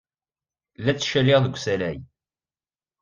La ttcaliɣ deg usalay.